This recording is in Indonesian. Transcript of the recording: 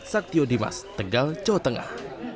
saktio dimas tegal jawa tengah